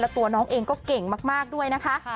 ตัวน้องเองก็เก่งมากด้วยนะคะ